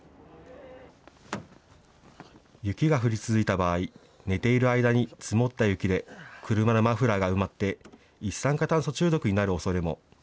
雪が降り続いた場合、寝ている間に積もった雪で車のマフラーが埋まって、一酸化炭素中毒になるおそれも。